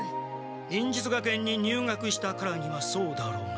忍術学園に入学したからにはそうだろうな。